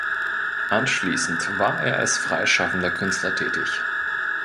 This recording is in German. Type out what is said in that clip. Anschließend war er als freischaffender Künstler tätig.